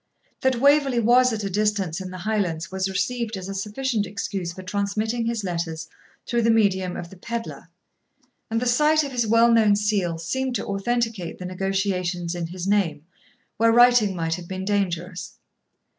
That Waverley was at a distance in the Highlands was received as a sufficient excuse for transmitting his letters through the medium of the pedlar; and the sight of his well known seal seemed to authenticate the negotiations in his name, where writing might have been dangerous.